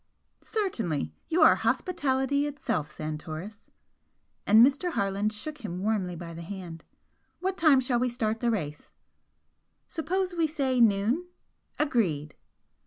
"Certainly! you are hospitality itself, Santoris!" and Mr. Harland shook him warmly by the hand "What time shall we start the race?" "Suppose we say noon?" "Agreed!"